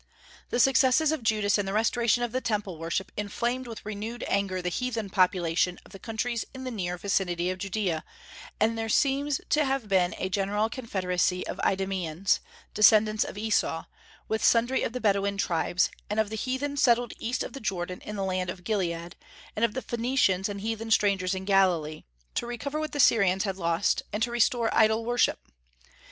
The successes of Judas and the restoration of the Temple worship inflamed with renewed anger the heathen population of the countries in the near vicinity of Judaea; and there seems to have been a general confederacy of Idumaeans, descendants of Esau, with sundry of the Bedouin tribes, and of the heathen settled east of the Jordan in the land of Gilead, and of Phoenicians and heathen strangers in Galilee, to recover what the Syrians had lost, and to restore idol worship.